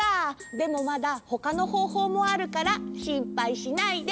でもまだほかのほうほうもあるからしんぱいしないで！